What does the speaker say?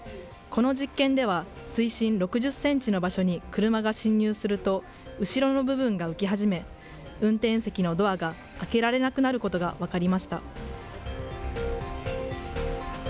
この実験では水深６０センチの場所に車が進入すると、後ろの部分が浮き始め、運転席のドアが開けられなくなることが分かりました。